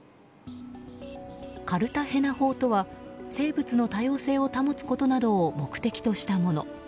カルタヘナ法とは生物の多様性を保つことなどを目的としたもの。